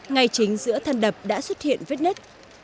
ngay chính giữa thân đập đã xuất hiện vết nứt